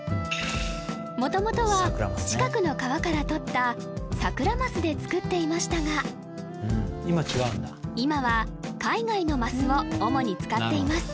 元々は近くの川からとった桜ますで作っていましたが今は海外のますを主に使っています